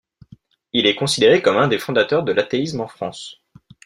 Il est considéré comme un des fondateurs de l'athéisme en France.